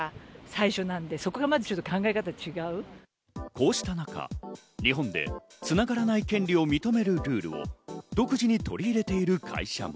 こうした中、日本でつながらない権利を認めるルールを独自に取り入れている会社も。